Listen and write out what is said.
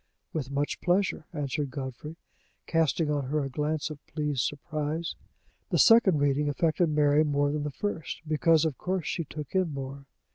"With much pleasure," answered Godfrey, casting on her a glance of pleased surprise. The second reading affected Mary more than the first because, of course, she took in more.